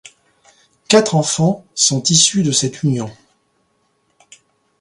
Quatre enfants sont issus de cette union.